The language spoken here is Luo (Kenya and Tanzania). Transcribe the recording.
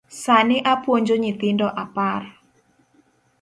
Sani apuonjo nyithindo apar.